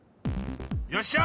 よっしゃ！